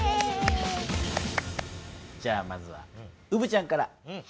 まずはうぶちゃんから。